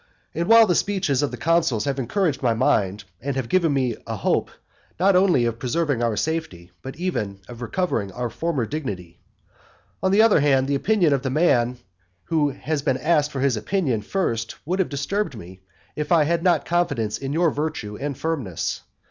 And while the speeches of the consuls have encouraged my mind, and have given me a hope, not only of preserving our safety, but even of recovering our former dignity, on the other hand, the opinion of the man who has been asked for his opinion first would have disturbed me, if I had not confidence in your virtue and firmness.